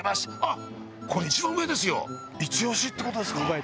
イチ押しって事ですか！